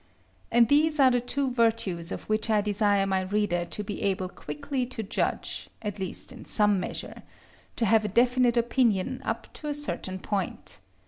And these are the two virtues of which I desire my reader to be able quickly to judge, at least in some measure; to have a definite opinion up to a certain point.